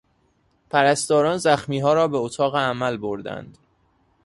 پرستاران زخمیها را به اتاق عمل بردند.